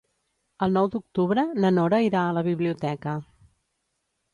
El nou d'octubre na Nora irà a la biblioteca.